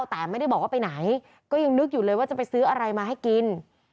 แต่ไม่ได้บอกว่าไปไหนก็ยังนึกอยู่เลยว่าจะไปซื้ออะไรมาให้กิน